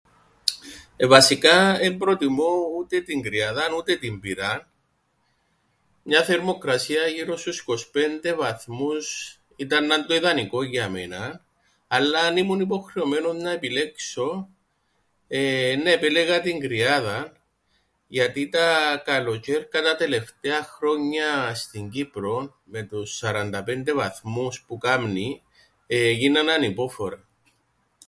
Ε... βασικά εν προτιμώ ούτε την κρυάδαν ούτε την πυράν, μια θερμοκρασία γύρω στους 25 βαθμούς ήταν να 'ν' το ιδανικόν για μέναν, αλλά αν ήμουν υποχρεωμένος να επιλέξω εεε... εννά επέλεγα την κρυάδαν, γιατί τα καλοτζ̆αίρκα τα τελευταία χρόνια στην Κύπρον με τους 45 βαθμούς που κάμνει εγίναν ανυπόφορα.